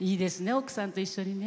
奥さんと一緒でね。